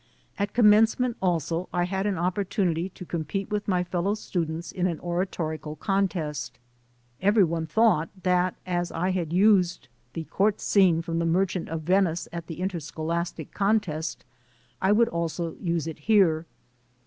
At Commencement also I had an opportunity to compete with my fellow students in an oratorical contest. Every one thought that as I had used the Court Scene of the "Merchant of Venice" at the In terscholastic contest, I would also use it here.